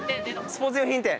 スポーツ用品店！